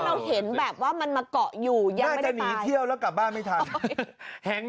เราเห็นแบบว่ามันมาเกาะอยู่น่าจะหนีเที่ยวแล้วกลับบ้านไม่ทัน